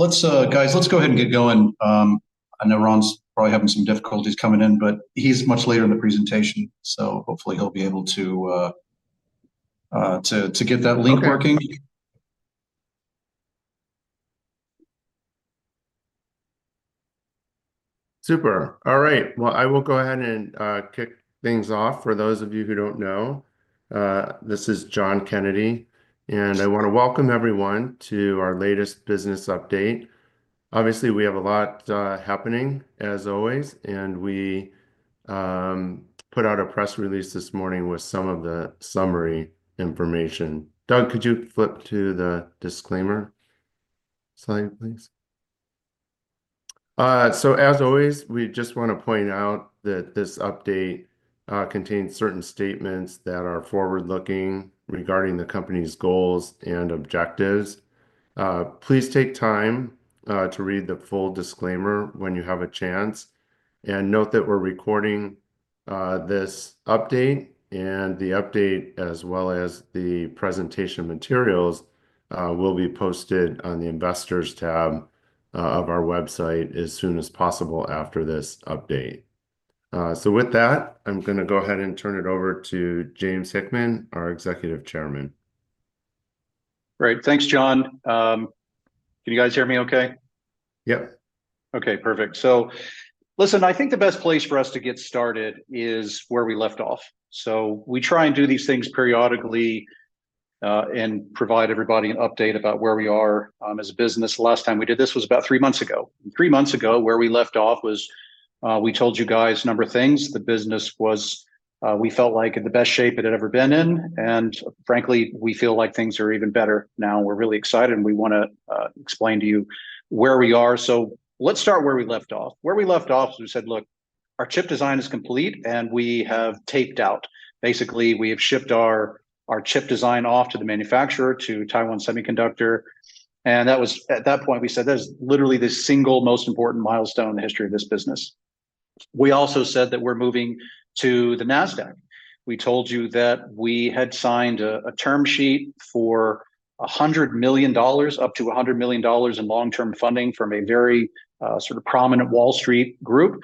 Let's, guys, let's go ahead and get going. I know Ron's probably having some difficulties coming in, but he's much later in the presentation, so hopefully he'll be able to get that link working. Okay. Super. All right, well, I will go ahead and kick things off. For those of you who don't know, this is John Kennedy, and I want to welcome everyone to our latest business update. Obviously, we have a lot happening, as always, and we put out a press release this morning with some of the summary information. Doug, could you flip to the disclaimer slide, please? So as always, we just want to point out that this update contains certain statements that are forward-looking regarding the company's goals and objectives. Please take time to read the full disclaimer when you have a chance, and note that we're recording this update, and the update, as well as the presentation materials, will be posted on the Investors tab of our website as soon as possible after this update. With that, I'm gonna go ahead and turn it over to James Hickman, our Executive Chairman. Great. Thanks, John. Can you guys hear me okay? Yep. Okay, perfect, so listen, I think the best place for us to get started is where we left off, so we try and do these things periodically, and provide everybody an update about where we are, as a business. Last time we did this was about three months ago, and three months ago, where we left off was, we told you guys a number of things. The business was, we felt like, in the best shape it had ever been in, and frankly, we feel like things are even better now, and we're really excited, and we wanna explain to you where we are, so let's start where we left off. Where we left off is we said, "Look, our chip design is complete, and we have taped out." Basically, we have shipped our chip design off to the manufacturer, to Taiwan Semiconductor, and that was... At that point, we said, "That is literally the single most important milestone in the history of this business." We also said that we're moving to the Nasdaq. We told you that we had signed a term sheet for $100 million, up to $100 million in long-term funding from a very, sort of prominent Wall Street group.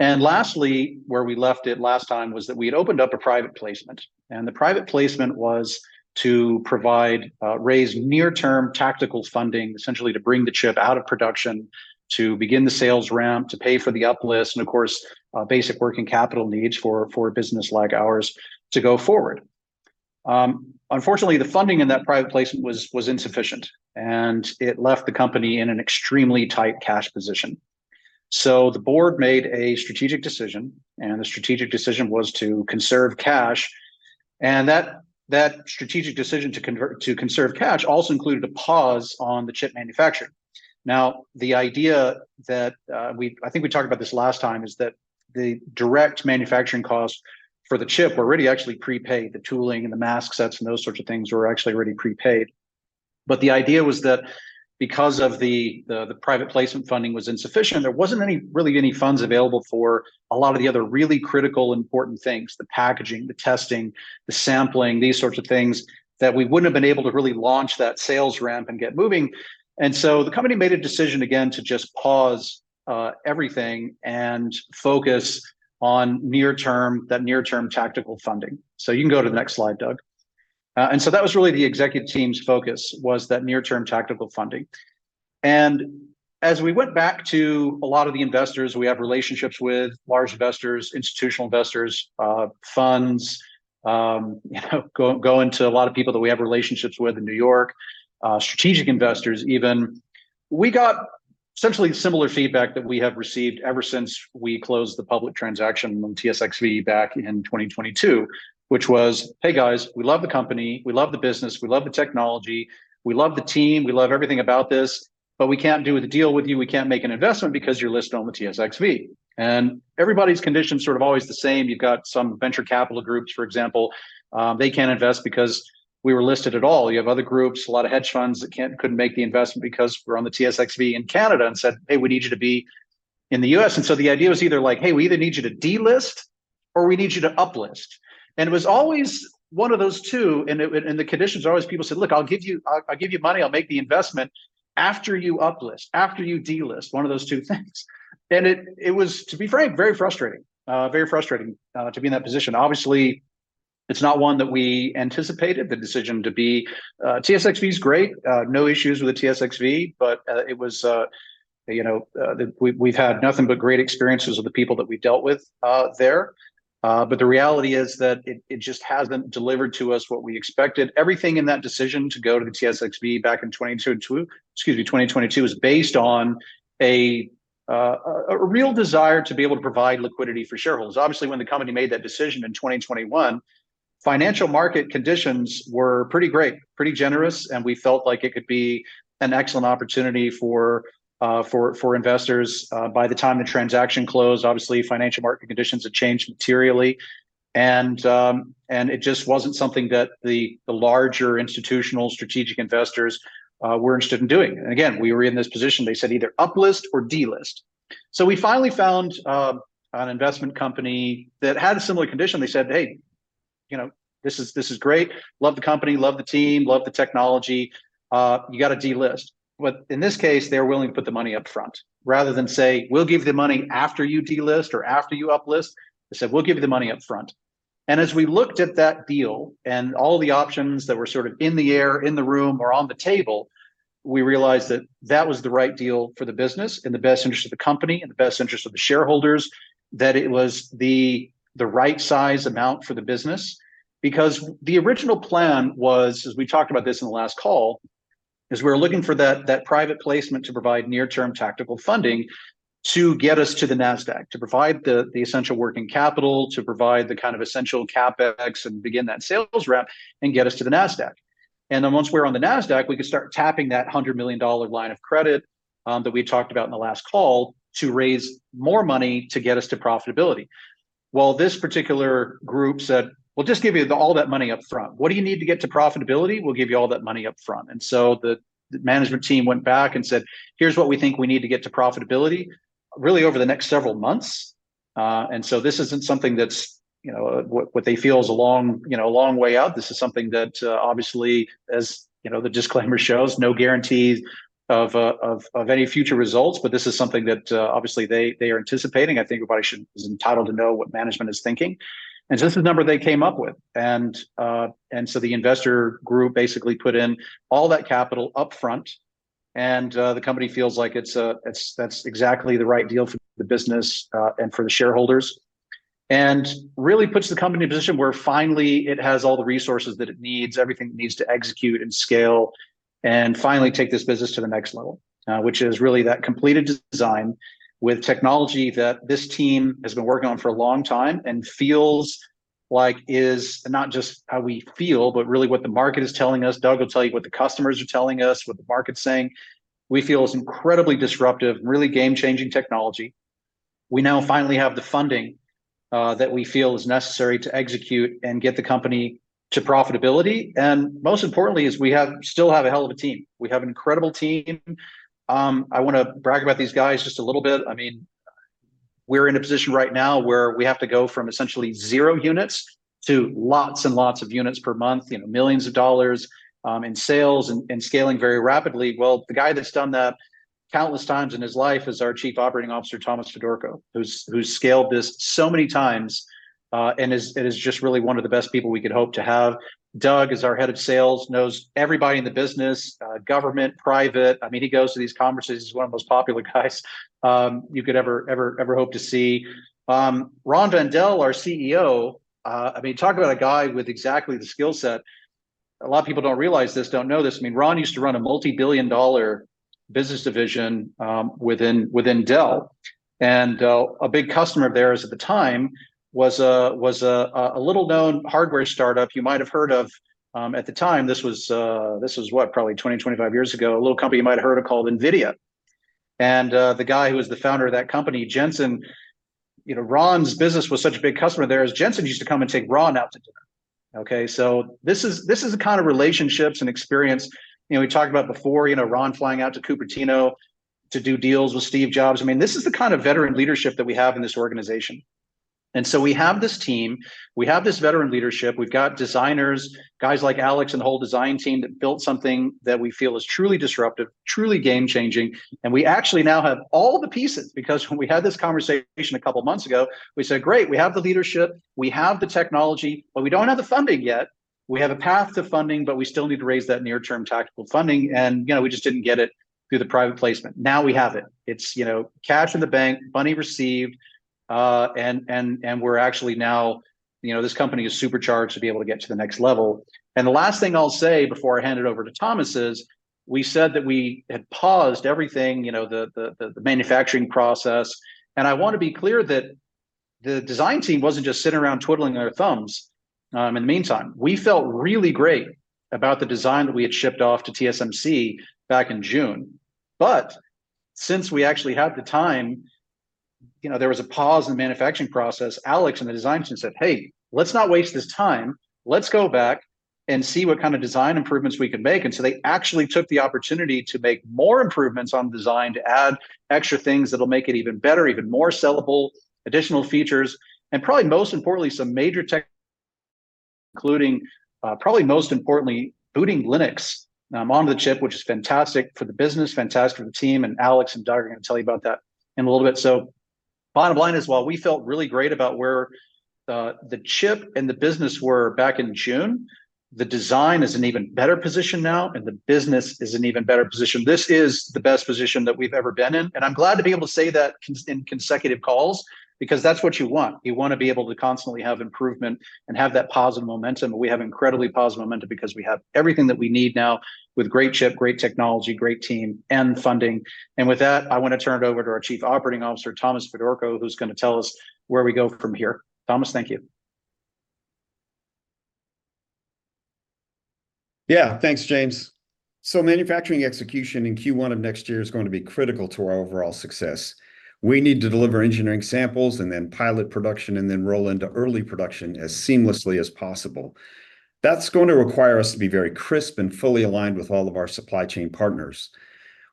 And lastly, where we left it last time was that we had opened up a private placement, and the private placement was to provide raise near-term tactical funding, essentially to bring the chip out of production, to begin the sales ramp, to pay for the uplist, and of course basic working capital needs for a business like ours to go forward. Unfortunately, the funding in that private placement was insufficient, and it left the company in an extremely tight cash position. So the board made a strategic decision, and the strategic decision was to conserve cash, and that strategic decision to conserve cash also included a pause on the chip manufacturing. Now, the idea that I think we talked about this last time is that the direct manufacturing costs for the chip were already actually prepaid. The tooling and the mask sets and those sorts of things were actually already prepaid, but the idea was that because of the private placement funding was insufficient, there wasn't any, really any funds available for a lot of the other really critical, important things, the packaging, the testing, the sampling, these sorts of things, that we wouldn't have been able to really launch that sales ramp and get moving. And so the company made a decision again to just pause everything and focus on near-term, that near-term tactical funding. So you can go to the next slide, Doug, and so that was really the executive team's focus, was that near-term tactical funding. As we went back to a lot of the investors we have relationships with, large investors, institutional investors, funds, you know, going to a lot of people that we have relationships with in New York, strategic investors even, we got essentially similar feedback that we have received ever since we closed the public transaction on TSXV back in 2022, which was, "Hey, guys, we love the company, we love the business, we love the technology, we love the team, we love everything about this, but we can't do the deal with you, we can't make an investment because you're listed on the TSXV." And everybody's condition is sort of always the same. You've got some venture capital groups, for example. They can't invest because we were listed at all. You have other groups, a lot of hedge funds, that couldn't make the investment because we're on the TSXV in Canada, and said, "Hey, we need you to be in the U.S." And so the idea was either like, "Hey, we either need you to delist, or we need you to uplist." And it was always one of those two, and the conditions are always people said, "Look, I'll give you money, I'll make the investment after you uplist, after you delist." One of those two things. And it was, to be frank, very frustrating. Very frustrating to be in that position. Obviously, it's not one that we anticipated, the decision to be on the TSXV. TSXV is great. No issues with the TSXV, but it was, you know, we've had nothing but great experiences with the people that we've dealt with there. But the reality is that it just hasn't delivered to us what we expected. Everything in that decision to go to the TSXV back in 2022, excuse me, 2022, was based on a real desire to be able to provide liquidity for shareholders. Obviously, when the company made that decision in 2021, financial market conditions were pretty great, pretty generous, and we felt like it could be an excellent opportunity for investors. By the time the transaction closed, obviously, financial market conditions had changed materially, and it just wasn't something that the larger institutional strategic investors were interested in doing. Again, we were in this position. They said either uplist or delist. We finally found an investment company that had a similar condition. They said, "Hey, you know, this is, this is great. Love the company, love the team, love the technology, you gotta delist." But in this case, they were willing to put the money up front, rather than say, "We'll give you the money after you delist or after you uplist." They said, "We'll give you the money up front." And as we looked at that deal and all the options that were sort of in the air, in the room, or on the table, we realized that that was the right deal for the business, in the best interest of the company, in the best interest of the shareholders, that it was the right size amount for the business. Because the original plan was, as we talked about this in the last call, is we were looking for that, that private placement to provide near-term tactical funding to get us to the Nasdaq, to provide the, the essential working capital, to provide the kind of essential CapEx and begin that sales ramp and get us to the Nasdaq. And then once we're on the Nasdaq, we could start tapping that $100 million line of credit, that we talked about in the last call, to raise more money to get us to profitability. Well, this particular group said, "We'll just give you all that money up front. What do you need to get to profitability? We'll give you all that money up front." And so the management team went back and said, "Here's what we think we need to get to profitability, really over the next several months." And so this isn't something that's, you know, what they feel is a long, you know, a long way out. This is something that, obviously, as, you know, the disclaimer shows, no guarantees of any future results, but this is something that, obviously they are anticipating. I think everybody is entitled to know what management is thinking, and so this is the number they came up with. And so the investor group basically put in all that capital upfront, and the company feels like it's that's exactly the right deal for the business, and for the shareholders. And really puts the company in a position where finally it has all the resources that it needs, everything it needs to execute and scale, and finally take this business to the next level, which is really that completed design with technology that this team has been working on for a long time and feels like is... not just how we feel, but really what the market is telling us. Doug will tell you what the customers are telling us, what the market's saying. We feel it's incredibly disruptive, really game-changing technology. We now finally have the funding that we feel is necessary to execute and get the company to profitability, and most importantly, we still have a hell of a team. We have an incredible team. I wanna brag about these guys just a little bit. I mean, we're in a position right now where we have to go from essentially zero units to lots and lots of units per month, you know, millions of dollars in sales and scaling very rapidly. The guy that's done that countless times in his life is our Chief Operating Officer, Thomas Fedorko, who's scaled this so many times and is just really one of the best people we could hope to have. Doug is our Head of Sales, knows everybody in the business, government, private. I mean, he goes to these conferences. He's one of the most popular guys you could ever, ever, ever hope to see. Ron Van Dell, our CEO, I mean, talk about a guy with exactly the skill set. A lot of people don't realize this, don't know this. I mean, Ron used to run a multi-billion dollar business division within Dell. And a big customer of theirs at the time was a little-known hardware startup you might have heard of. At the time, this was what? Probably 20, 25 years ago, a little company you might have heard of called NVIDIA. And the guy who was the founder of that company, Jensen, you know, Ron's business was such a big customer there, as Jensen used to come and take Ron out to dinner. Okay, so this is the kind of relationships and experience, you know, we talked about before, you know, Ron flying out to Cupertino to do deals with Steve Jobs. I mean, this is the kind of veteran leadership that we have in this organization. And so we have this team, we have this veteran leadership. We've got designers, guys like Alex and the whole design team, that built something that we feel is truly disruptive, truly game-changing. And we actually now have all the pieces, because when we had this conversation a couple of months ago, we said, "Great, we have the leadership, we have the technology, but we don't have the funding yet. We have a path to funding, but we still need to raise that near-term tactical funding," and, you know, we just didn't get it through the private placement. Now, we have it. It's, you know, cash in the bank, money received, and we're actually now you know, this company is supercharged to be able to get to the next level. And the last thing I'll say before I hand it over to Thomas is, we said that we had paused everything, you know, the manufacturing process. And I want to be clear that the design team wasn't just sitting around twiddling their thumbs in the meantime. We felt really great about the design that we had shipped off to TSMC back in June. But since we actually had the time, you know, there was a pause in the manufacturing process, Alex and the design team said, "Hey, let's not waste this time. Let's go back and see what kind of design improvements we can make." And so they actually took the opportunity to make more improvements on the design, to add extra things that'll make it even better, even more sellable, additional features, and probably most importantly, booting Linux onto the chip, which is fantastic for the business, fantastic for the team, and Alex and Doug are gonna tell you about that in a little bit. So bottom line is, while we felt really great about where the chip and the business were back in June, the design is in even better position now, and the business is in even better position. This is the best position that we've ever been in, and I'm glad to be able to say that in consecutive calls, because that's what you want. You wanna be able to constantly have improvement and have that positive momentum, but we have incredibly positive momentum because we have everything that we need now with great chip, great technology, great team, and funding. And with that, I wanna turn it over to our Chief Operating Officer, Thomas Fedorko, who's gonna tell us where we go from here. Thomas, thank you. Yeah. Thanks, James. So manufacturing execution in Q1 of next year is going to be critical to our overall success. We need to deliver engineering samples and then pilot production, and then roll into early production as seamlessly as possible. That's going to require us to be very crisp and fully aligned with all of our supply chain partners.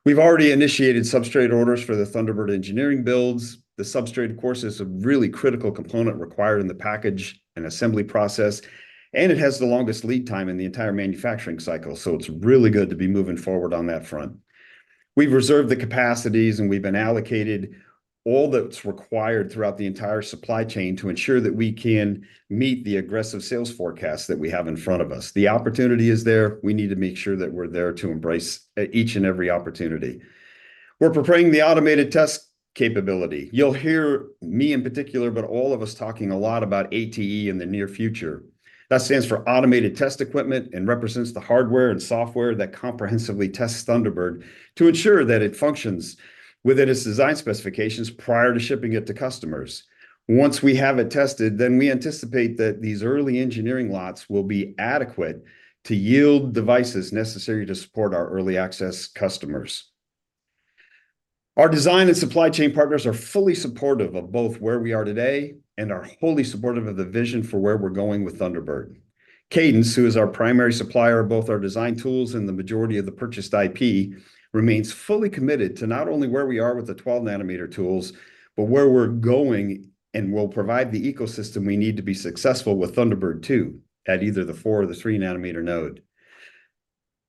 We've already initiated substrate orders for the Thunderbird engineering builds. The substrate, of course, is a really critical component required in the package and assembly process, and it has the longest lead time in the entire manufacturing cycle, so it's really good to be moving forward on that front. We've reserved the capacities, and we've been allocated all that's required throughout the entire supply chain to ensure that we can meet the aggressive sales forecast that we have in front of us. The opportunity is there We need to make sure that we're there to embrace each and every opportunity. We're preparing the automated test capability. You'll hear me in particular, but all of us talking a lot about ATE in the near future. That stands for automated test equipment and represents the hardware and software that comprehensively tests Thunderbird to ensure that it functions within its design specifications prior to shipping it to customers. Once we have it tested, then we anticipate that these early engineering lots will be adequate to yield devices necessary to support our early access customers. Our design and supply chain partners are fully supportive of both where we are today, and are wholly supportive of the vision for where we're going with Thunderbird. Cadence, who is our primary supplier of both our design tools and the majority of the purchased IP, remains fully committed to not only where we are with the 12-nanometer tools, but where we're going, and will provide the ecosystem we need to be successful with Thunderbird 2, at either the 4- or 3-nanometer node.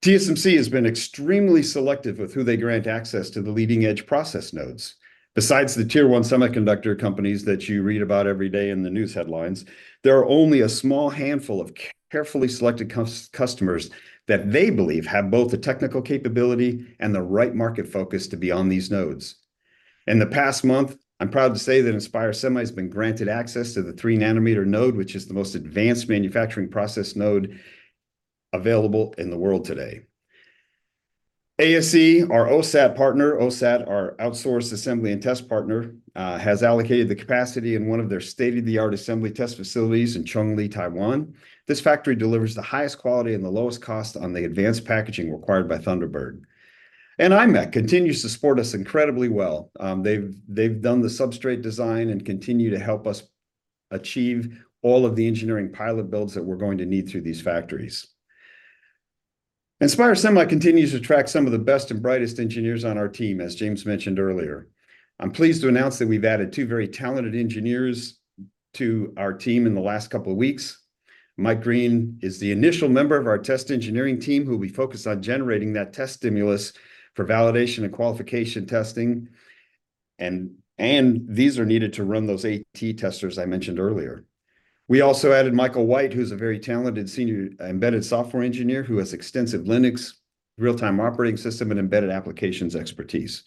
TSMC has been extremely selective with who they grant access to the leading-edge process nodes. Besides the Tier One semiconductor companies that you read about every day in the news headlines, there are only a small handful of carefully selected customers that they believe have both the technical capability and the right market focus to be on these nodes. In the past month, I'm proud to say that InspireSemi has been granted access to the 3-nanometer node, which is the most advanced manufacturing process node available in the world today. ASE, our OSAT partner, OSAT, our outsourced assembly and test partner, has allocated the capacity in one of their state-of-the-art assembly test facilities in Chung-Li, Taiwan. This factory delivers the highest quality and the lowest cost on the advanced packaging required by Thunderbird. imec continues to support us incredibly well. They've done the substrate design and continue to help us achieve all of the engineering pilot builds that we're going to need through these factories. InspireSemi continues to attract some of the best and brightest engineers on our team, as James mentioned earlier. I'm pleased to announce that we've added two very talented engineers to our team in the last couple of weeks. Mike Green is the initial member of our test engineering team, who will be focused on generating that test stimulus for validation and qualification testing, and these are needed to run those ATE testers I mentioned earlier. We also added Michael White, who's a very talented senior embedded software engineer, who has extensive Linux real-time operating system and embedded applications expertise.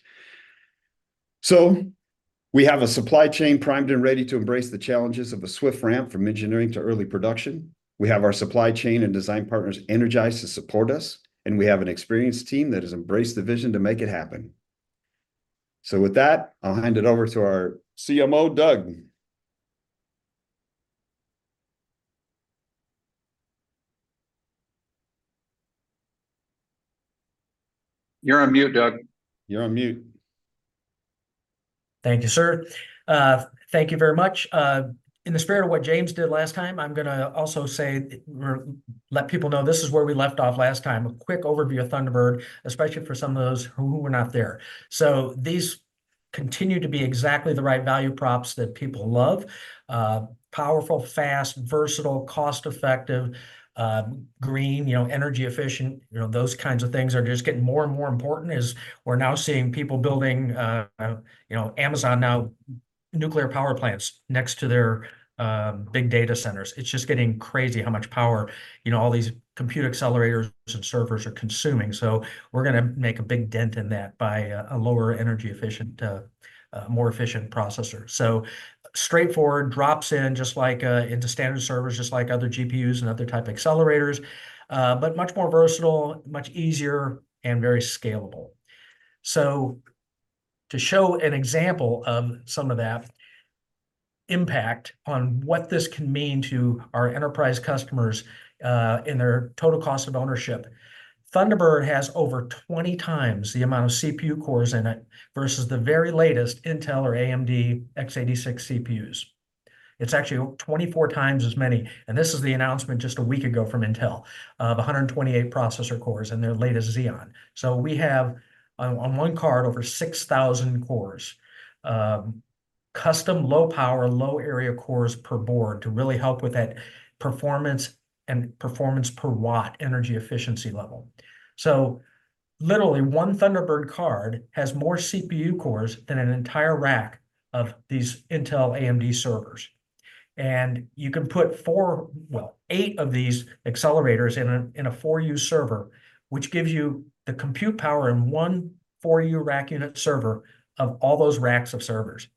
So we have a supply chain primed and ready to embrace the challenges of a swift ramp from engineering to early production. We have our supply chain and design partners energized to support us, and we have an experienced team that has embraced the vision to make it happen. So with that, I'll hand it over to our CMO, Doug. You're on mute, Doug. You're on mute. Thank you, sir. Thank you very much. In the spirit of what James did last time, I'm gonna also say, or let people know this is where we left off last time. A quick overview of Thunderbird, especially for some of those who were not there. So these continue to be exactly the right value props that people love. Powerful, fast, versatile, cost-effective, green, you know, energy efficient. You know, those kinds of things are just getting more and more important as we're now seeing people building, you know, Amazon now, nuclear power plants next to their, big data centers. It's just getting crazy how much power, you know, all these compute accelerators and servers are consuming. So we're gonna make a big dent in that by, a lower energy efficient, more efficient processor. So straightforward, drops in just like into standard servers, just like other GPUs and other type accelerators, but much more versatile, much easier, and very scalable. To show an example of some of that impact on what this can mean to our enterprise customers in their total cost of ownership, Thunderbird has over 20 times the amount of CPU cores in it versus the very latest Intel or AMD x86 CPUs. It's actually 24x as many, and this is the announcement just a week ago from Intel, of 128 processor cores in their latest Xeon. We have on one card, over 6000 cores, custom, low-power, low-area cores per board to really help with that performance and performance per watt energy efficiency level. So literally, one Thunderbird card has more CPU cores than an entire rack of these Intel AMD servers. And you can put four, well, eight of these accelerators in a 4U server, which gives you the compute power in one 4U rack unit server of all those racks of servers.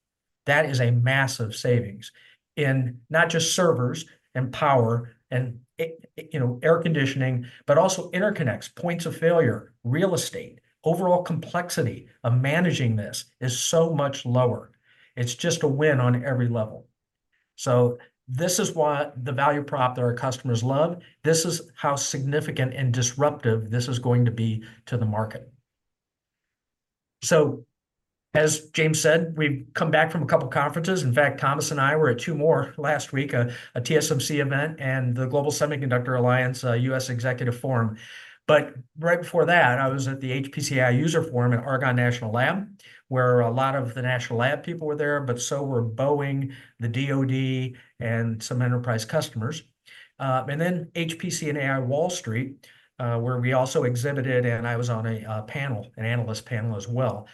That is a massive savings in not just servers and power and, you know, air conditioning, but also interconnects, points of failure, real estate. Overall complexity of managing this is so much lower. It's just a win on every level. So this is why the value prop that our customers love, this is how significant and disruptive this is going to be to the market. So, as James said, we've come back from a couple conferences. In fact, Thomas and I were at two more last week, a TSMC event, and the Global Semiconductor Alliance U.S. Executive Forum. But right before that, I was at the HPC-AI User Forum at Argonne National Lab, where a lot of the national lab people were there, but so were Boeing, the DOD, and some enterprise customers. And then HPC and AI Wall Street, where we also exhibited, and I was on a panel, an analyst panel as well.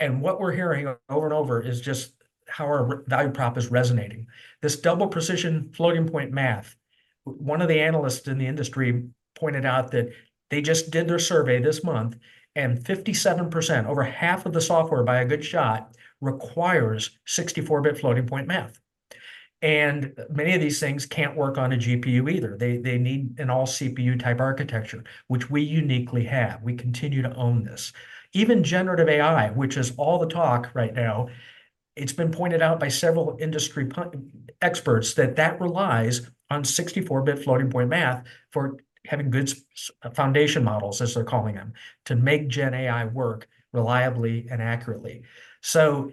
And what we're hearing over and over is just how our value prop is resonating. This double-precision floating point math, one of the analysts in the industry pointed out that they just did their survey this month, and 57%, over half of the software by a good shot, requires 64-bit floating point math. And many of these things can't work on a GPU either. They, they need an all-CPU type architecture, which we uniquely have. We continue to own this. Even generative AI, which is all the talk right now, it's been pointed out by several industry experts that that relies on 64-bit floating point math for having good foundation models, as they're calling them, to make gen AI work reliably and accurately. So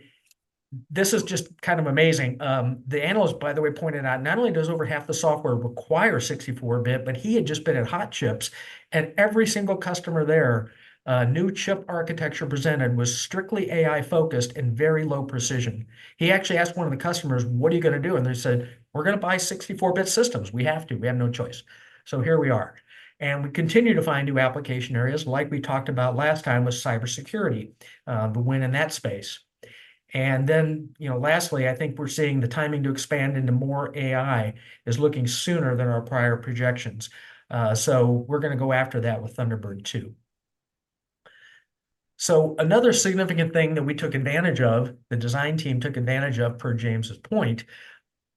this is just kind of amazing. The analyst, by the way, pointed out not only does over half the software require 64-bit, but he had just been at Hot Chips, and every single customer there, new chip architecture presented was strictly AI-focused and very low precision. He actually asked one of the customers, "What are you gonna do?" And they said, "We're gonna buy 64-bit systems. We have to. We have no choice." So here we are, and we continue to find new application areas, like we talked about last time with cybersecurity, the win in that space. And then, you know, lastly, I think we're seeing the timing to expand into more AI is looking sooner than our prior projections. So we're gonna go after that with Thunderbird, too. So another significant thing that we took advantage of, the design team took advantage of, per James's point,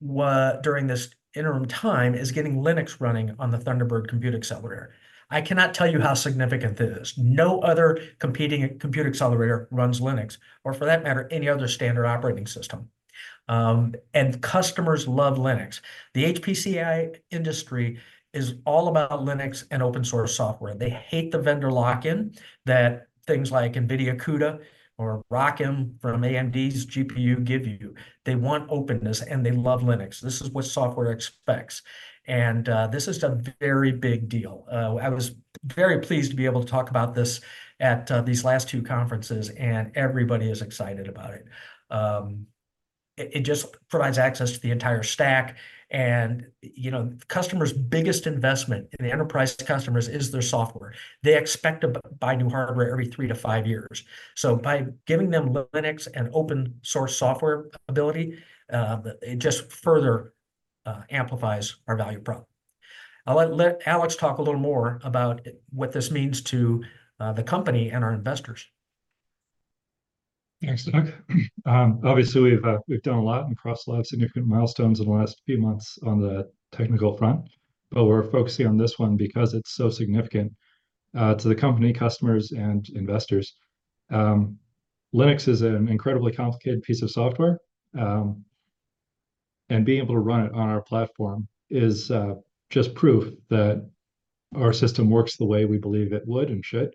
during this interim time, is getting Linux running on the Thunderbird Compute Accelerator. I cannot tell you how significant that is. No other competing compute accelerator runs Linux, or for that matter, any other standard operating system. And customers love Linux. The HPC-AI industry is all about Linux and open-source software. They hate the vendor lock-in that things like NVIDIA CUDA or ROCm from AMD's GPU give you. They want openness, and they love Linux. This is what software expects, and this is a very big deal. I was very pleased to be able to talk about this at these last two conferences, and everybody is excited about it. It just provides access to the entire stack, and, you know, the customer's biggest investment, in the enterprise customers, is their software. They expect to buy new hardware every three to five years. So by giving them Linux and open-source software ability, it just further amplifies our value prop. I'll let Alex talk a little more about what this means to the company and our investors. Thanks, Doug. Obviously we've done a lot and crossed a lot of significant milestones in the last few months on the technical front, but we're focusing on this one because it's so significant to the company, customers, and investors. Linux is an incredibly complicated piece of software, and being able to run it on our platform is just proof that our system works the way we believe it would and should.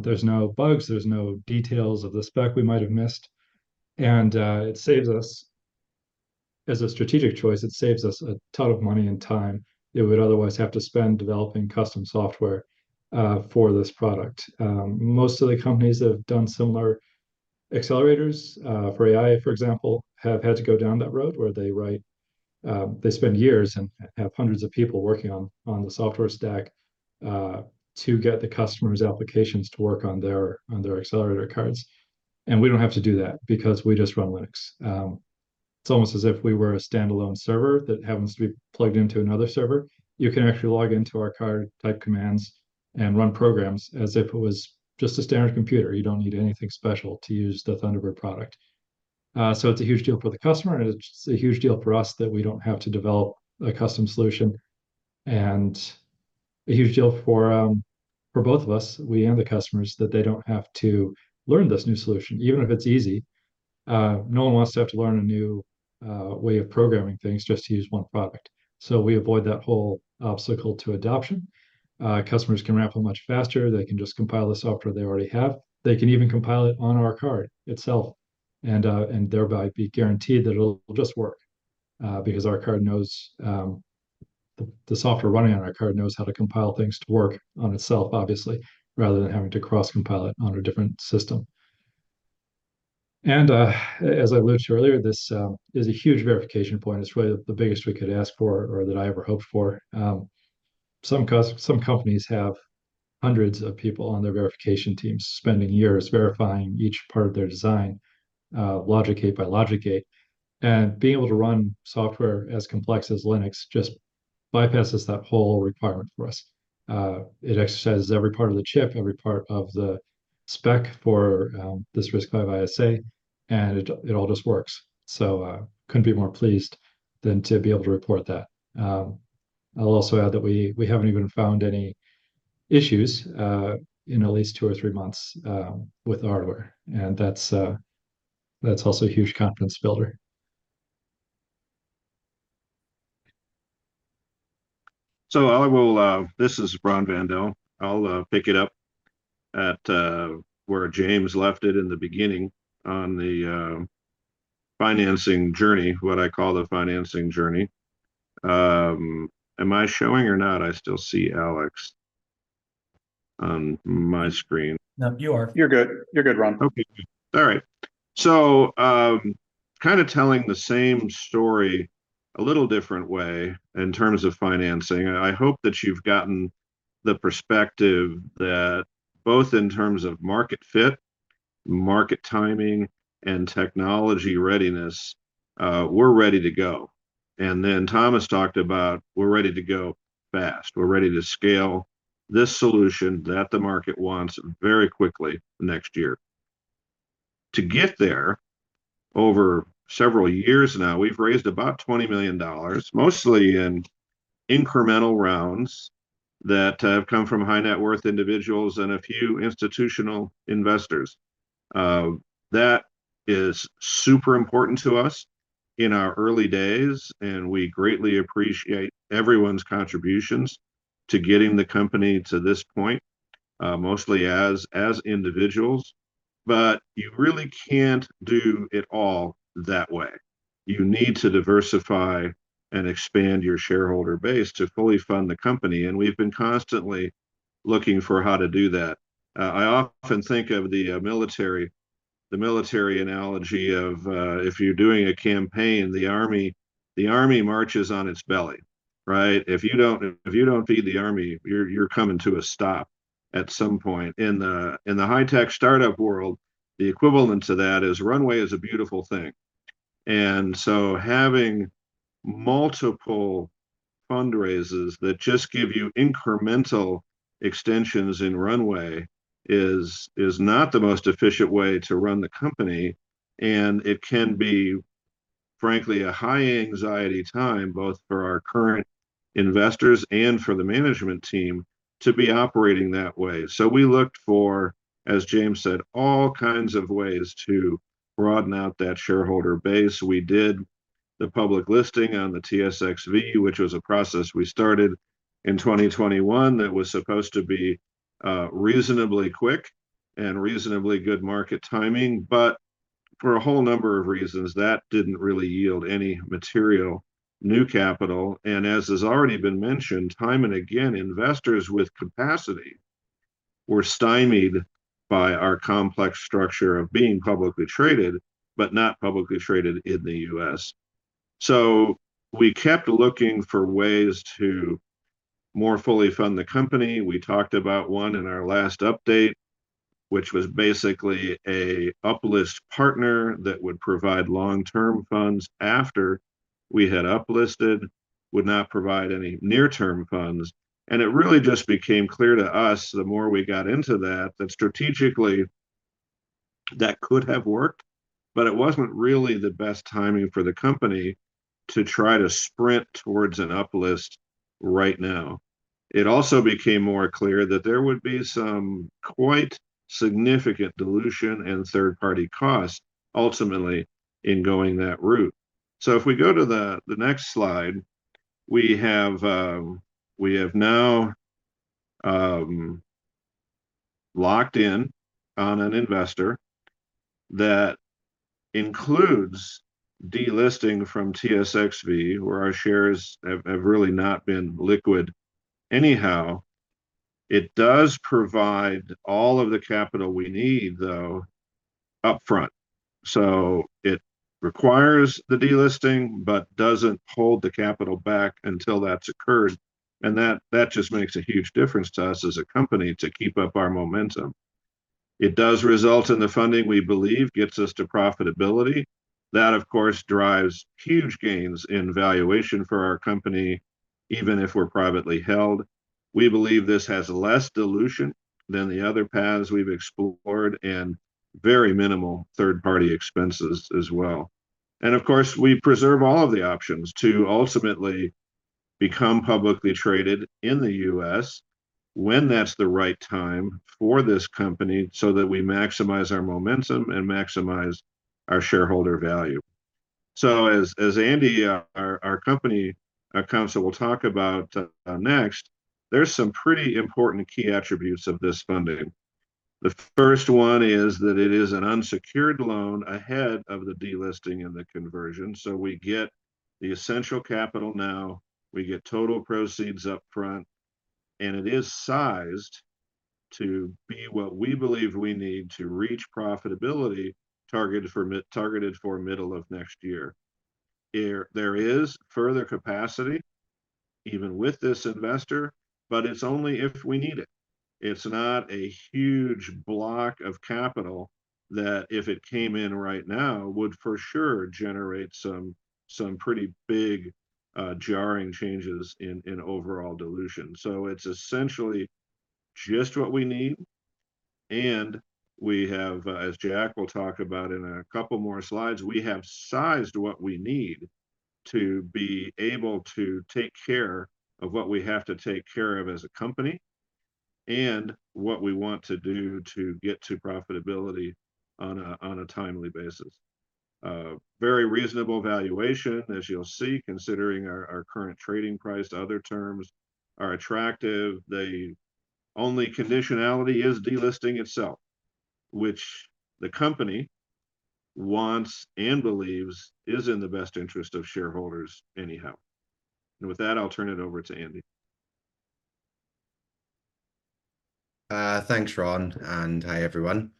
There's no bugs, there's no details of the spec we might have missed, and it saves us, as a strategic choice, it saves us a ton of money and time that we would otherwise have to spend developing custom software for this product. Most of the companies that have done similar accelerators for AI, for example, have had to go down that road, where they write... They spend years and have hundreds of people working on the software stack to get the customer's applications to work on their accelerator cards, and we don't have to do that, because we just run Linux. It's almost as if we were a standalone server that happens to be plugged into another server. You can actually log into our card, type commands, and run programs as if it was just a standard computer. You don't need anything special to use the Thunderbird product. So it's a huge deal for the customer, and it's a huge deal for us that we don't have to develop a custom solution, and a huge deal for both of us, we and the customers, that they don't have to learn this new solution, even if it's easy. No one wants to have to learn a new way of programming things just to use one product. So we avoid that whole obstacle to adoption. Customers can ramp up much faster. They can just compile the software they already have. They can even compile it on our card itself, and thereby be guaranteed that it'll just work, because our card knows. The software running on our card knows how to compile things to work on itself, obviously, rather than having to cross-compile it on a different system. And as I alluded to earlier, this is a huge verification point. It's really the biggest we could ask for or that I ever hoped for. Some companies have hundreds of people on their verification teams, spending years verifying each part of their design, logic gate by logic gate, and being able to run software as complex as Linux just bypasses that whole requirement for us. It exercises every part of the chip, every part of the spec for this RISC-V ISA, and it all just works. So, couldn't be more pleased than to be able to report that. I'll also add that we haven't even found any issues in at least two or three months with the hardware, and that's also a huge confidence builder. So I will, this is Ron Van Dell. I'll pick it up at where James left it in the beginning on the financing journey, what I call the financing journey. Am I showing or not? I still see Alex on my screen. No, you are. You're good. You're good, Ron. Okay. All right, so kind of telling the same story a little different way in terms of financing. I hope that you've gotten the perspective that both in terms of market fit, market timing, and technology readiness, we're ready to go, and then Thomas talked about we're ready to go fast. We're ready to scale this solution that the market wants very quickly next year. To get there, over several years now, we've raised about $20 million, mostly in incremental rounds that have come from high-net-worth individuals and a few institutional investors. That is super important to us in our early days, and we greatly appreciate everyone's contributions to getting the company to this point, mostly as, as individuals, but you really can't do it all that way. You need to diversify and expand your shareholder base to fully fund the company, and we've been constantly looking for how to do that. I often think of the military analogy of if you're doing a campaign, the army marches on its belly, right? If you don't feed the army, you're coming to a stop at some point. In the high-tech startup world, the equivalent to that is runway is a beautiful thing. And so having multiple fundraisers that just give you incremental extensions in runway is not the most efficient way to run the company, and it can be, frankly, a high-anxiety time, both for our current investors and for the management team, to be operating that way. So we looked for, as James said, all kinds of ways to broaden out that shareholder base. We did the public listing on the TSXV, which was a process we started in 2021 that was supposed to be reasonably quick and reasonably good market timing, but for a whole number of reasons, that didn't really yield any material, new capital. And as has already been mentioned, time and again, investors with capacity were stymied by our complex structure of being publicly traded, but not publicly traded in the U.S. So we kept looking for ways to more fully fund the company. We talked about one in our last update, which was basically a uplist partner that would provide long-term funds after we had uplisted, would not provide any near-term funds. And it really just became clear to us, the more we got into that, that strategically, that could have worked, but it wasn't really the best timing for the company to try to sprint towards an uplist right now. It also became more clear that there would be some quite significant dilution and third-party costs ultimately in going that route. So if we go to the next slide, we have now locked in on an investor that includes delisting from TSXV, where our shares have really not been liquid anyhow. It does provide all of the capital we need, though, upfront, so it requires the delisting, but doesn't hold the capital back until that's occurred, and that just makes a huge difference to us as a company to keep up our momentum. It does result in the funding we believe gets us to profitability. That, of course, drives huge gains in valuation for our company, even if we're privately held. We believe this has less dilution than the other paths we've explored, and very minimal third-party expenses as well. And of course, we preserve all of the options to ultimately become publicly traded in the U.S. when that's the right time for this company, so that we maximize our momentum and maximize our shareholder value. So as Andy, our General Counsel will talk about next, there's some pretty important key attributes of this funding. The first one is that it is an unsecured loan ahead of the delisting and the conversion. So we get the essential capital now, we get total proceeds upfront, and it is sized to be what we believe we need to reach profitability, targeted for middle of next year. There is further capacity, even with this investor, but it's only if we need it. It's not a huge block of capital that if it came in right now, would for sure generate some pretty big jarring changes in overall dilution. So it's essentially just what we need. And we have, as Jack will talk about in a couple more slides, we have sized what we need to be able to take care of what we have to take care of as a company... and what we want to do to get to profitability on a timely basis. Very reasonable valuation, as you'll see, considering our current trading price. Other terms are attractive. The only conditionality is delisting itself, which the company wants and believes is in the best interest of shareholders anyhow, and with that, I'll turn it over to Andy. Thanks, Ron, and hi, everyone,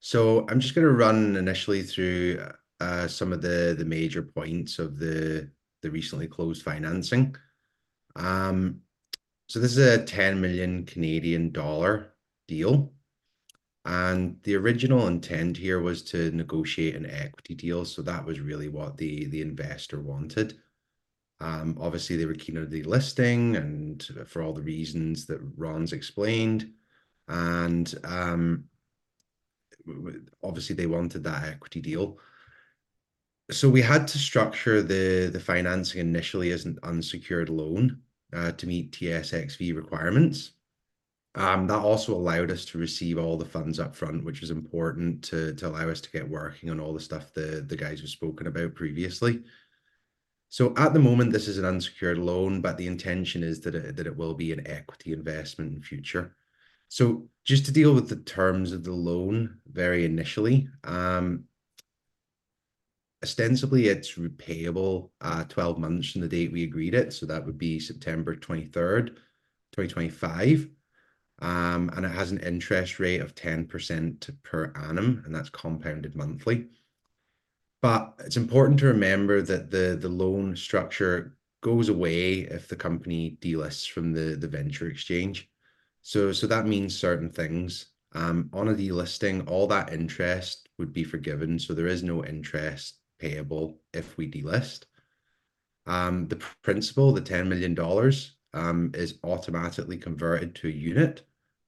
so I'm just gonna run initially through some of the major points of the recently closed financing, so this is a 10 million Canadian dollar deal, and the original intent here was to negotiate an equity deal, so that was really what the investor wanted. Obviously, they were keen on the delisting, and for all the reasons that Ron's explained, and obviously, they wanted that equity deal, so we had to structure the financing initially as an unsecured loan to meet TSXV requirements. That also allowed us to receive all the funds upfront, which is important to allow us to get working on all the stuff the guys have spoken about previously. So at the moment, this is an unsecured loan, but the intention is that it will be an equity investment in future. Just to deal with the terms of the loan very initially, ostensibly it's repayable 12 months from the date we agreed it, so that would be September 23rd, 2025. And it has an interest rate of 10% per annum, and that's compounded monthly. But it's important to remember that the loan structure goes away if the company delists from the TSX Venture Exchange. That means certain things. On a delisting, all that interest would be forgiven, so there is no interest payable if we delist. The principal, the 10 million dollars, is automatically converted to a unit.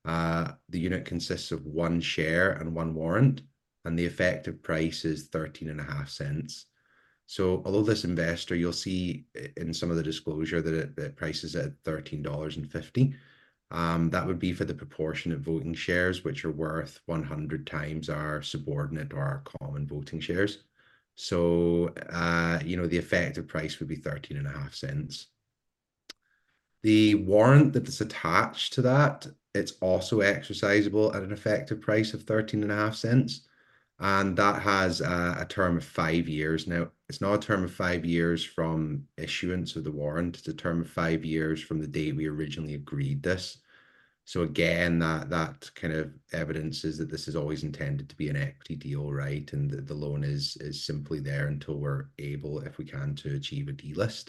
The unit consists of one share and one warrant, and the effective price is 0.135. So although this investor, you'll see in some of the disclosure that the price is at $13.50, that would be for the proportion of voting shares, which are worth one hundred times our subordinate or our common voting shares. So, you know, the effective price would be 0.135. The warrant that is attached to that, it's also exercisable at an effective price of 0.135, and that has a term of five years. Now, it's not a term of five years from issuance of the warrant, it's a term of five years from the day we originally agreed this. So again, that kind of evidence is that this is always intended to be an equity deal, right? The loan is simply there until we're able, if we can, to achieve a delist.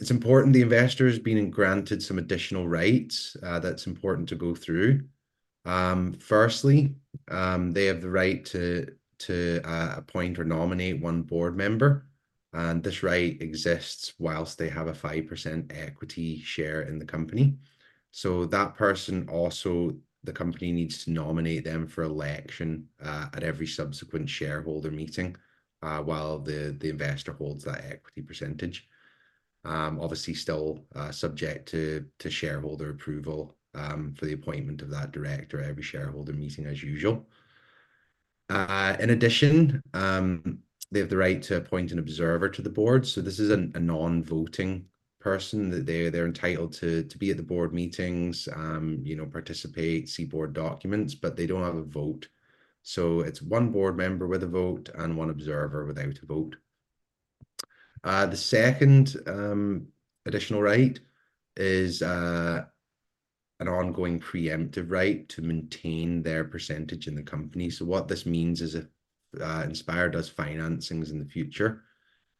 It's important the investor has been granted some additional rights. That's important to go through. Firstly, they have the right to appoint or nominate one board member, and this right exists whilst they have a 5% equity share in the company. So that person also, the company needs to nominate them for election at every subsequent shareholder meeting while the investor holds that equity percentage. Obviously still subject to shareholder approval for the appointment of that director at every shareholder meeting, as usual. In addition, they have the right to appoint an observer to the board. So this is a non-voting person that they're entitled to be at the board meetings, you know, participate, see board documents, but they don't have a vote. So it's one board member with a vote and one observer without a vote. The second additional right is an ongoing preemptive right to maintain their percentage in the company. So what this means is if Inspire does financings in the future,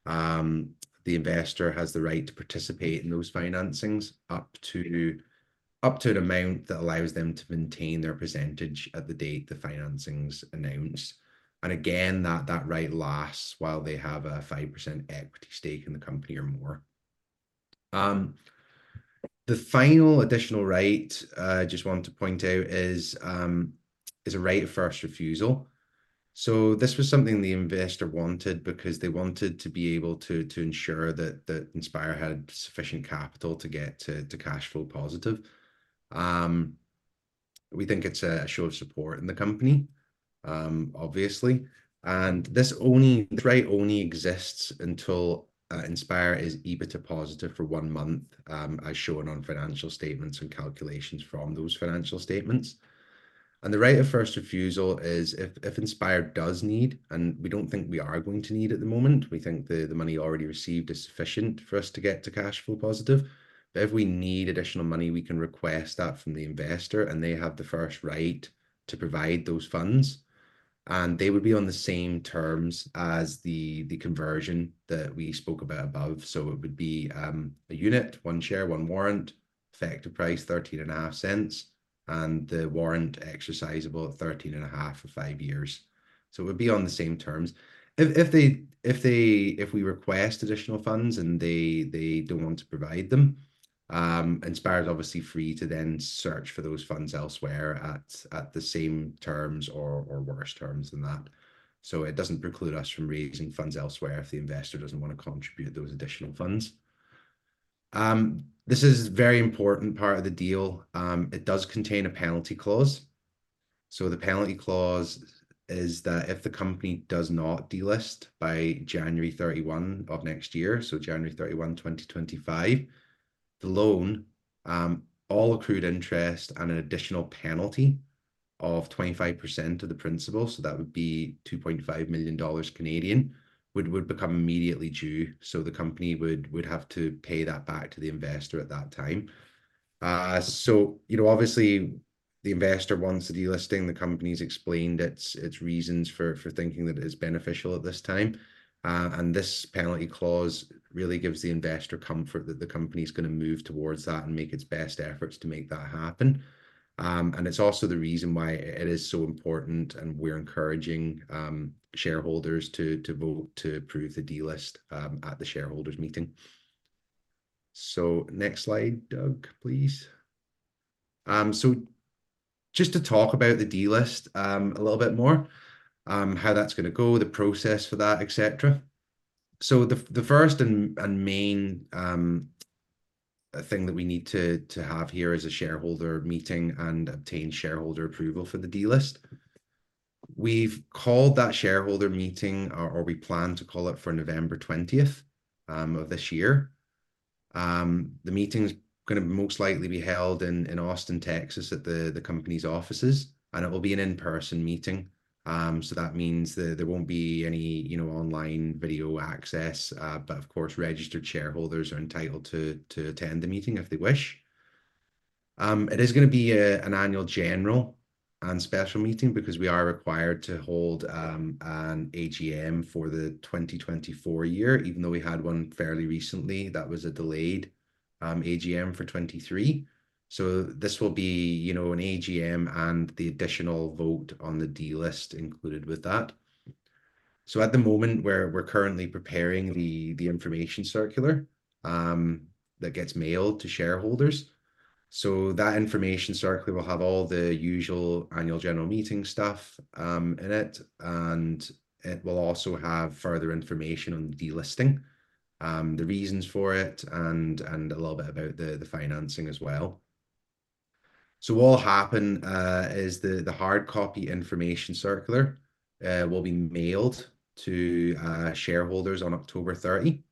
the investor has the right to participate in those financings up to an amount that allows them to maintain their percentage at the date the financing's announced. And again, that right lasts while they have a 5% equity stake in the company or more. The final additional right, just wanted to point out, is a right of first refusal. So this was something the investor wanted because they wanted to be able to ensure that Inspire had sufficient capital to get to cash flow positive. We think it's a show of support in the company, obviously, and this right only exists until Inspire is EBITDA positive for one month, as shown on financial statements and calculations from those financial statements. And the right of first refusal is if Inspire does need, and we don't think we are going to need at the moment, we think the money already received is sufficient for us to get to cash flow positive, but if we need additional money, we can request that from the investor, and they have the first right to provide those funds. They would be on the same terms as the conversion that we spoke about above. It would be a unit, one share, one warrant, effective price 0.135, and the warrant exercisable at CAD 0.135 for five years. It would be on the same terms. If we request additional funds and they don't want to provide them, Inspire is obviously free to then search for those funds elsewhere at the same terms or worse terms than that. It doesn't preclude us from raising funds elsewhere if the investor doesn't wanna contribute those additional funds. This is very important part of the deal. It does contain a penalty clause. So the penalty clause is that if the company does not delist by January thirty-one of next year, so January 31, 2025, the loan, all accrued interest and an additional penalty of 25% of the principal, so that would be 2.5 million dollars, would become immediately due. So the company would have to pay that back to the investor at that time. You know, obviously, the investor wants the delisting. The company's explained its reasons for thinking that it's beneficial at this time. And this penalty clause really gives the investor comfort that the company's gonna move towards that and make its best efforts to make that happen. And it's also the reason why it is so important, and we're encouraging shareholders to vote to approve the delist at the shareholders' meeting. Next slide, Doug, please. Just to talk about the delist a little bit more, how that's gonna go, the process for that, et cetera. The first and main thing that we need to have here is a shareholder meeting and obtain shareholder approval for the delist. We've called that shareholder meeting, or we plan to call it for November 20th of this year. The meeting's gonna most likely be held in Austin, Texas, at the company's offices, and it will be an in-person meeting. That means that there won't be any, you know, online video access, but of course, registered shareholders are entitled to attend the meeting if they wish. It is gonna be an annual general and special meeting because we are required to hold an AGM for the 2024 year, even though we had one fairly recently. That was a delayed AGM for 2023. So this will be, you know, an AGM and the additional vote on the delisting included with that. So at the moment, we're currently preparing the information circular that gets mailed to shareholders. So that information circular will have all the usual annual general meeting stuff in it, and it will also have further information on delisting, the reasons for it, and a little bit about the financing as well. So what will happen is the hard copy information circular will be mailed to shareholders on October 30.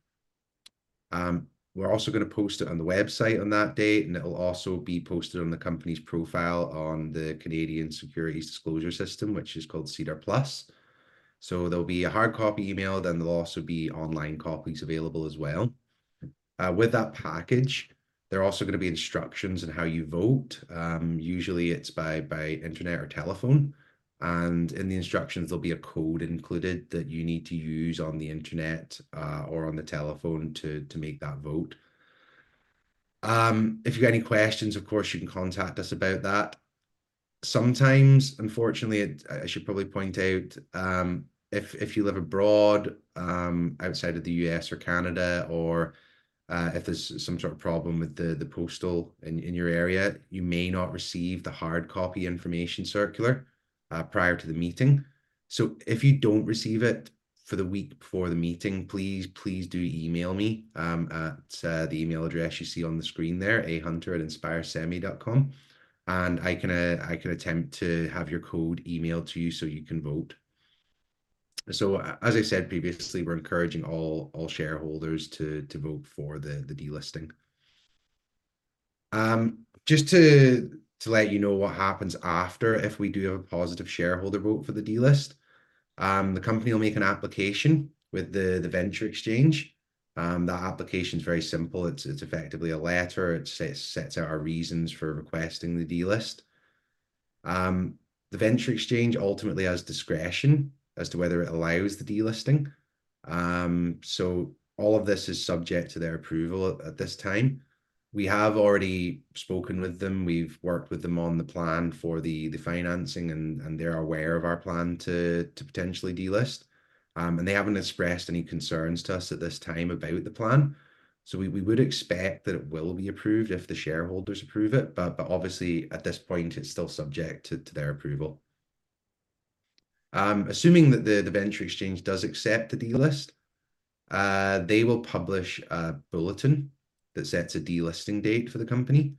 We're also gonna post it on the website on that date, and it'll also be posted on the company's profile on the Canadian Securities Disclosure System, which is called SEDAR+. There'll be a hard copy email, then there'll also be online copies available as well. With that package, there are also gonna be instructions on how you vote. Usually, it's by internet or telephone, and in the instructions, there'll be a code included that you need to use on the internet or on the telephone to make that vote. If you've got any questions, of course, you can contact us about that. Sometimes, unfortunately, I should probably point out, if you live abroad, outside of the U.S. or Canada, or if there's some sort of problem with the postal in your area, you may not receive the hard copy information circular prior to the meeting, so if you don't receive it for the week before the meeting, please do email me at the email address you see on the screen there, ahunter@inspiresemi.com, and I can attempt to have your code emailed to you so you can vote, so as I said previously, we're encouraging all shareholders to vote for the delisting. Just to let you know what happens after if we do have a positive shareholder vote for the delist, the company will make an application with the venture exchange. That application's very simple. It's effectively a letter. It sets out our reasons for requesting the delisting. The Venture Exchange ultimately has discretion as to whether it allows the delisting, so all of this is subject to their approval at this time. We have already spoken with them. We've worked with them on the plan for the financing, and they're aware of our plan to potentially delist, and they haven't expressed any concerns to us at this time about the plan, so we would expect that it will be approved if the shareholders approve it, but obviously, at this point, it's still subject to their approval. Assuming that the Venture Exchange does accept the delisting, they will publish a bulletin that sets a delisting date for the company.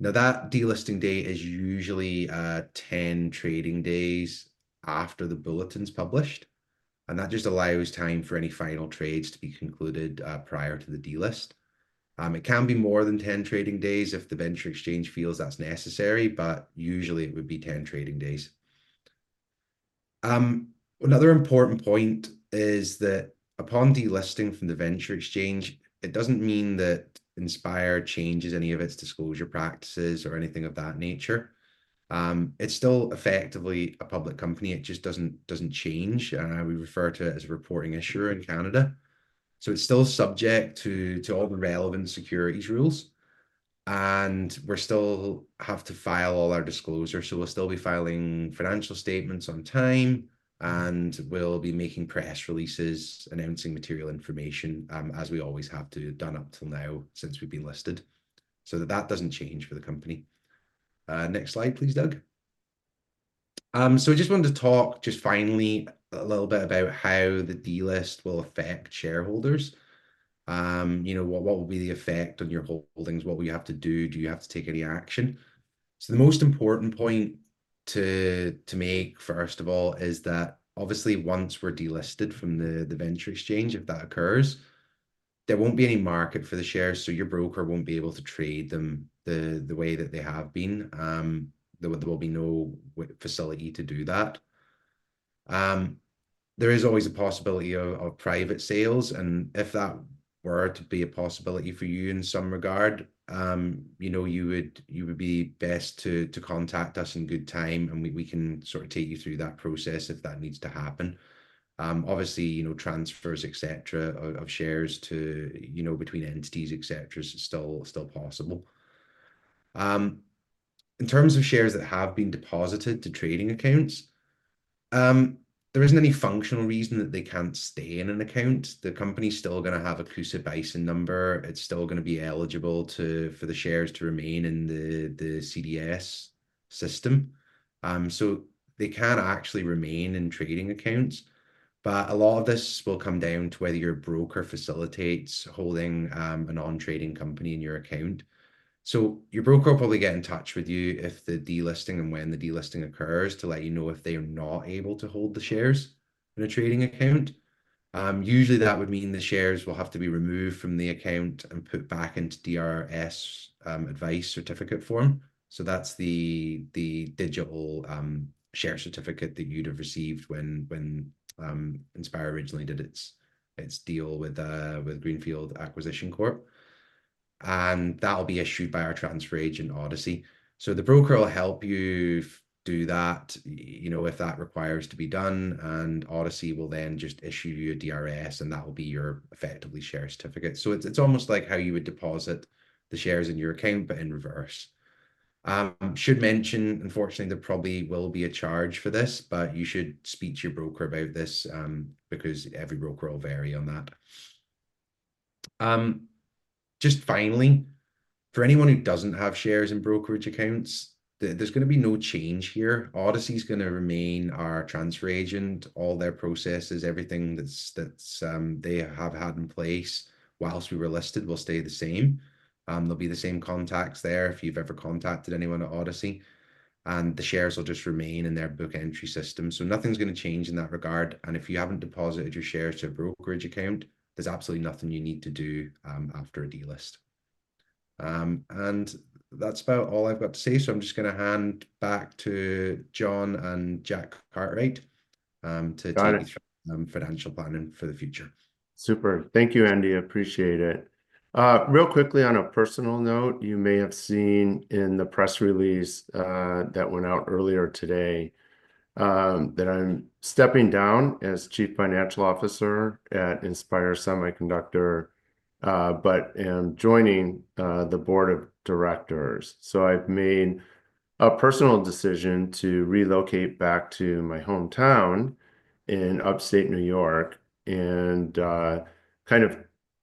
Now, that delisting date is usually 10 trading days after the bulletin's published, and that just allows time for any final trades to be concluded prior to the delist. It can be more than ten trading days if the venture exchange feels that's necessary, but usually, it would be ten trading days. Another important point is that upon delisting from the venture exchange, it doesn't mean that Inspire changes any of its disclosure practices or anything of that nature. It's still effectively a public company. It just doesn't change, and we refer to it as a reporting issuer in Canada. So it's still subject to all the relevant securities rules, and we still have to file all our disclosures. So we'll still be filing financial statements on time, and we'll be making press releases, announcing material information as we always have to. Done up till now since we've been listed. So that doesn't change for the company. Next slide, please, Doug. So I just wanted to talk just finally a little bit about how the delist will affect shareholders. You know, what will be the effect on your holdings? What will you have to do? Do you have to take any action? So the most important point to make, first of all, is that obviously once we're delisted from the venture exchange, if that occurs, there won't be any market for the shares, so your broker won't be able to trade them the way that they have been. There will be no facility to do that. There is always a possibility of private sales, and if that were to be a possibility for you in some regard, you know, you would be best to contact us in good time, and we can sort of take you through that process if that needs to happen. Obviously, you know, transfers, et cetera, of shares to, you know, between entities, et cetera, is still possible. In terms of shares that have been deposited to trading accounts, there isn't any functional reason that they can't stay in an account. The company's still gonna have a CUSIP ISIN number. It's still gonna be eligible to, for the shares to remain in the, the CDS system. So they can actually remain in trading accounts. But a lot of this will come down to whether your broker facilitates holding a non-trading company in your account. So your broker will probably get in touch with you if the delisting and when the delisting occurs, to let you know if they're not able to hold the shares in a trading account. Usually that would mean the shares will have to be removed from the account and put back into DRS advice certificate form. So that's the digital share certificate that you'd have received when Inspire originally did its deal with Greenfield Acquisition Corp. And that'll be issued by our transfer agent, Odyssey. So the broker will help you do that, you know, if that requires to be done, and Odyssey will then just issue you a DRS, and that will be your effectively share certificate. So it's almost like how you would deposit the shares in your account, but in reverse. Should mention, unfortunately, there probably will be a charge for this, but you should speak to your broker about this, because every broker will vary on that. Just finally, for anyone who doesn't have shares in brokerage accounts, there's gonna be no change here. Odyssey's gonna remain our transfer agent. All their processes, everything that they have had in place whilst we were listed, will stay the same. They'll be the same contacts there, if you've ever contacted anyone at Odyssey, and the shares will just remain in their book entry system. So nothing's gonna change in that regard, and if you haven't deposited your shares to a brokerage account, there's absolutely nothing you need to do after a delist. And that's about all I've got to say, so I'm just gonna hand back to John and Jack Cartwright, to- Got it... take you through, financial planning for the future. Super. Thank you, Andy, I appreciate it. Real quickly, on a personal note, you may have seen in the press release that went out earlier today that I'm stepping down as Chief Financial Officer at Inspire Semiconductor, but am joining the board of directors. I've made a personal decision to relocate back to my hometown in upstate New York and kind of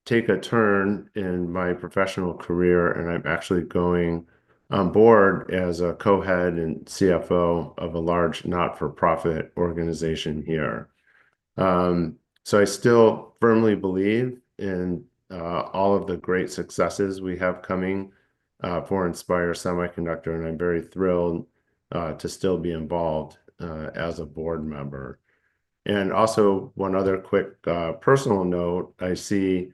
take a turn in my professional career, and I'm actually going on board as a co-head and CFO of a large not-for-profit organization here. So I still firmly believe in all of the great successes we have coming for Inspire Semiconductor, and I'm very thrilled to still be involved as a board member. And also one other quick, personal note, I see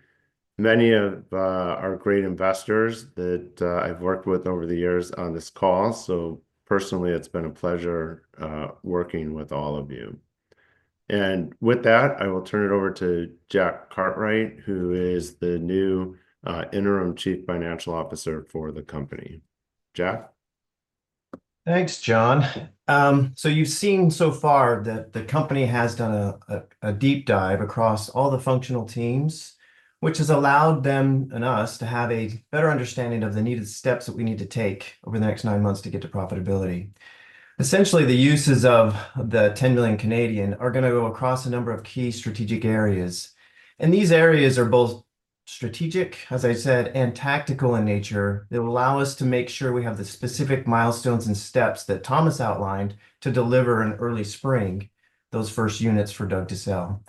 many of our great investors that I've worked with over the years on this call, so personally, it's been a pleasure working with all of you. And with that, I will turn it over to Jack Cartwright, who is the new Interim Chief Financial Officer for the company. Jack? Thanks, John. So you've seen so far that the company has done a deep dive across all the functional teams, which has allowed them, and us, to have a better understanding of the needed steps that we need to take over the next nine months to get to profitability. Essentially, the uses of the 10 million are gonna go across a number of key strategic areas, and these areas are both strategic, as I said, and tactical in nature, that will allow us to make sure we have the specific milestones and steps that Thomas outlined to deliver in early spring, those first units for Doug to sell.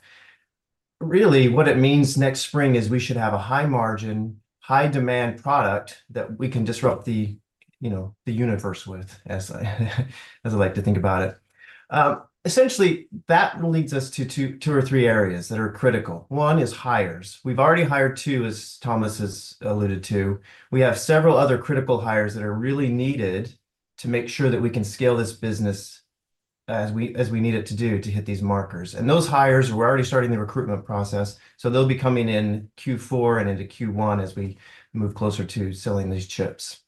Really, what it means next spring is we should have a high-margin, high-demand product that we can disrupt the, you know, universe with, as I like to think about it. Essentially, that leads us to two or three areas that are critical. One is hires. We've already hired two, as Thomas has alluded to. We have several other critical hires that are really needed to make sure that we can scale this business as we need it to do to hit these markers. And those hires, we're already starting the recruitment process, so they'll be coming in Q4 and into Q1 as we move closer to selling these chips.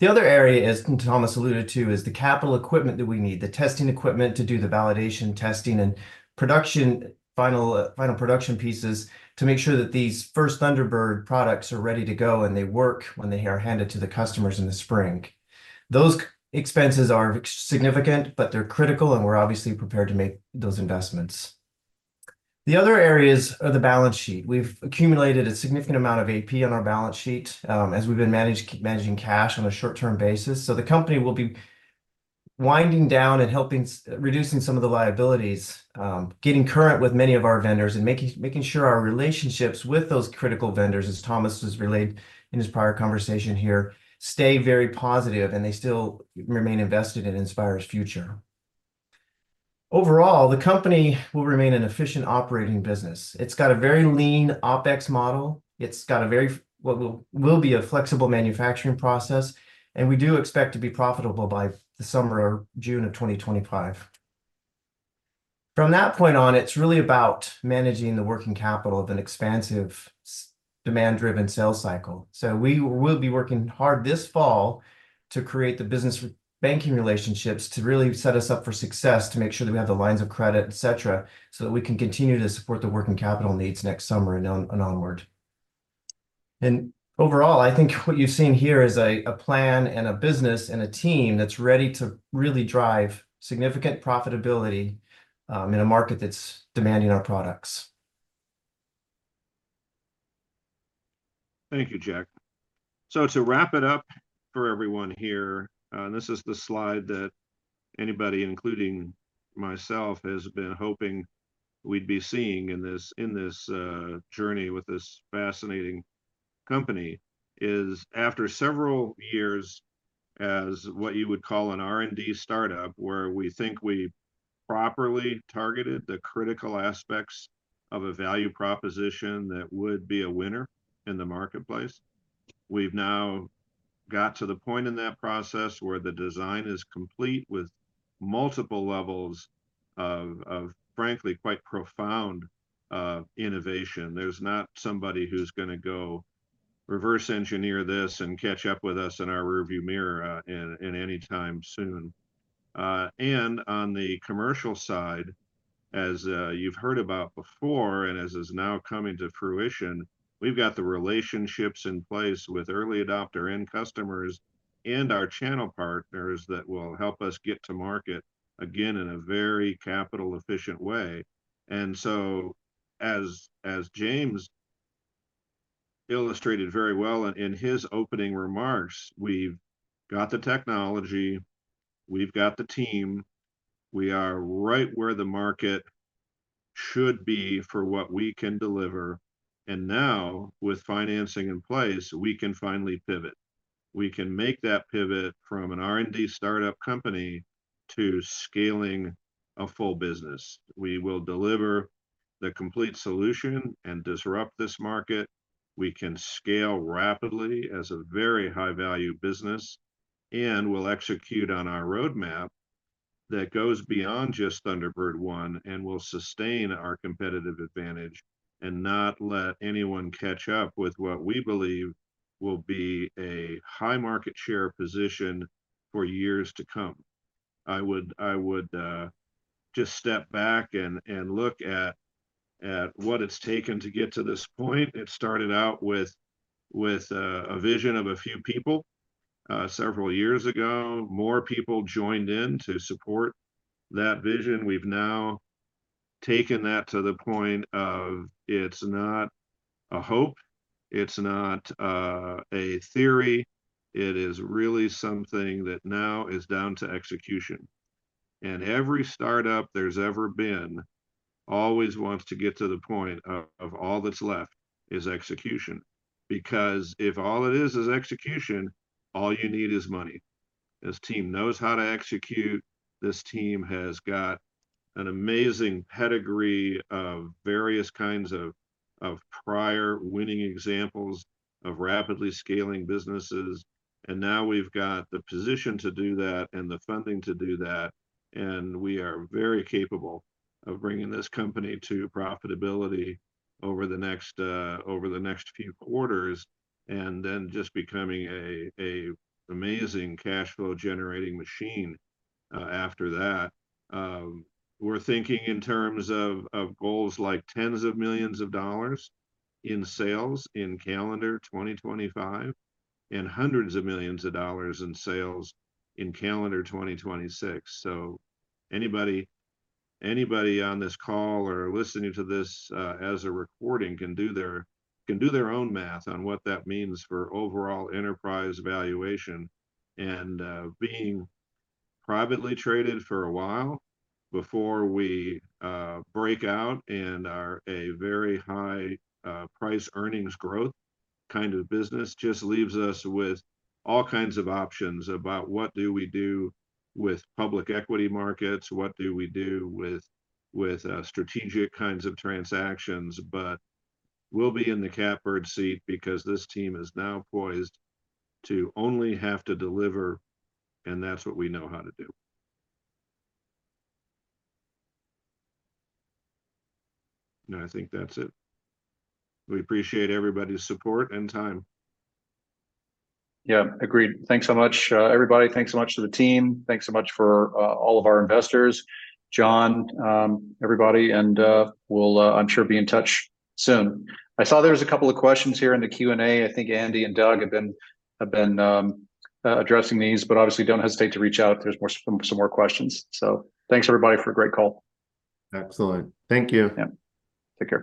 The other area, as Thomas alluded to, is the capital equipment that we need, the testing equipment to do the validation testing and production, final production pieces to make sure that these first Thunderbird products are ready to go and they work when they are handed to the customers in the spring. Those expenses are significant, but they're critical, and we're obviously prepared to make those investments. The other areas are the balance sheet. We've accumulated a significant amount of AP on our balance sheet, as we've been managing cash on a short-term basis. So the company will be winding down and reducing some of the liabilities, getting current with many of our vendors, and making sure our relationships with those critical vendors, as Thomas has relayed in his prior conversation here, stay very positive and they still remain invested in Inspire's future. Overall, the company will remain an efficient operating business. It's got a very lean OpEx model. It's got a very flexible manufacturing process, and we do expect to be profitable by the summer or June of 2025. From that point on, it's really about managing the working capital of an expansive demand-driven sales cycle. So we will be working hard this fall to create the business banking relationships to really set us up for success, to make sure that we have the lines of credit, et cetera, so that we can continue to support the working capital needs next summer and onward. And overall, I think what you've seen here is a plan, and a business, and a team that's ready to really drive significant profitability in a market that's demanding our products. Thank you, Jack. So to wrap it up for everyone here, this is the slide that anybody, including myself, has been hoping we'd be seeing in this journey with this fascinating company, is after several years as what you would call an R&D startup, where we think we properly targeted the critical aspects of a value proposition that would be a winner in the marketplace. We've now got to the point in that process where the design is complete with multiple levels of frankly quite profound innovation. There's not somebody who's gonna go reverse engineer this and catch up with us in our rearview mirror in any time soon. And on the commercial side, as you've heard about before, and as is now coming to fruition, we've got the relationships in place with early adopter end customers and our channel partners that will help us get to market, again, in a very capital efficient way. So as James illustrated very well in his opening remarks, we've got the technology, we've got the team, we are right where the market should be for what we can deliver, and now, with financing in place, we can finally pivot. We can make that pivot from an R&D startup company to scaling a full business. We will deliver the complete solution and disrupt this market. We can scale rapidly as a very high-value business, and we'll execute on our roadmap that goes beyond just Thunderbird I, and will sustain our competitive advantage and not let anyone catch up with what we believe will be a high market share position for years to come. I would just step back and look at what it's taken to get to this point. It started out with a vision of a few people, several years ago. More people joined in to support that vision. We've now taken that to the point of it's not a hope, it's not a theory, it is really something that now is down to execution, and every startup there's ever been always wants to get to the point of all that's left is execution. Because if all it is, is execution, all you need is money. This team knows how to execute. This team has got an amazing pedigree of various kinds of prior winning examples of rapidly scaling businesses, and now we've got the position to do that and the funding to do that, and we are very capable of bringing this company to profitability over the next few quarters, and then just becoming a amazing cash flow generating machine after that. We're thinking in terms of goals like tens of millions of dollars in sales in calendar 2025, and hundreds of millions of dollars in sales in calendar 2026. So anybody on this call or listening to this as a recording can do their own math on what that means for overall enterprise valuation. And, being privately traded for a while before we, break out and are a very high, price earnings growth kind of business, just leaves us with all kinds of options about what do we do with public equity markets? What do we do with, with, strategic kinds of transactions? But we'll be in the catbird seat, because this team is now poised to only have to deliver, and that's what we know how to do. And I think that's it. We appreciate everybody's support and time. Yeah, agreed. Thanks so much, everybody. Thanks so much to the team. Thanks so much for all of our investors, John, everybody, and we'll, I'm sure, be in touch soon. I saw there was a couple of questions here in the Q&A. I think Andy and Doug have been addressing these, but obviously don't hesitate to reach out if there's more. Some more questions. So thanks, everybody, for a great call. Excellent. Thank you. Yeah. Take care.